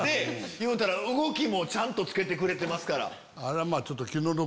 いうたら動きもちゃんと付けてくれてますから。